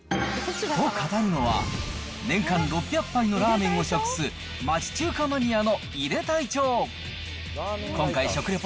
と語るのは、年間６００杯のラーメンを食す、町中華マニアの井手隊長。